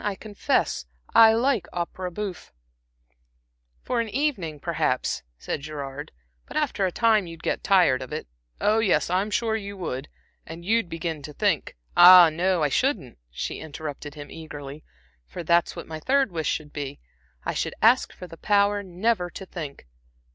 I confess I like opera bouffe." "For an evening, perhaps," said Gerard, "but after a time you'd get tired of it oh, yes, I'm sure you would and you'd begin to think" "Ah, no, I shouldn't," she interrupted him, eagerly "for that's what my third wish should be. I should ask for the power never to think.